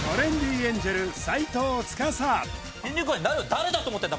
誰だと思ってんだ